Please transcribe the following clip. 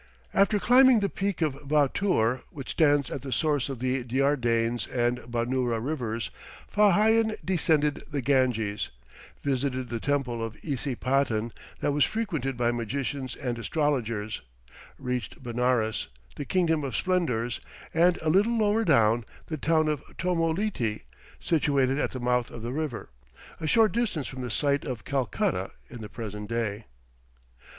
After climbing the peak of Vautour, which stands at the source of the Dyardanes and Banourah rivers, Fa Hian descended the Ganges, visited the temple of Issi paten that was frequented by magicians and astrologers, reached Benares, "the kingdom of splendours," and a little lower down, the town of Tomo li ti, situated at the mouth of the river, a short distance from the site of Calcutta in the present day.